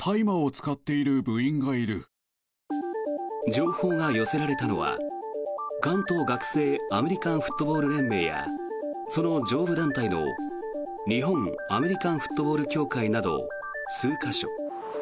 情報が寄せられたのは関東学生アメリカンフットボール連盟やその上部団体の日本アメリカンフットボール協会など数か所。